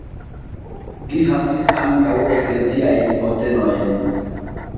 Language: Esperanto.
Li havis ankaŭ ekleziajn postenojn.